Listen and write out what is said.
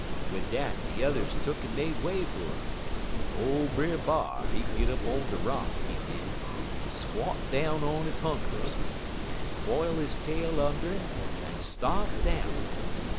"Wid dat de yuthers tuck'n made way fer 'im, en ole Brer B'ar he git up on de rock, he did, en squot down on he hunkers, en quile he tail und' 'im, en start down.